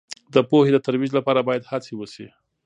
د پوهې د ترویج لپاره باید هڅې وسي.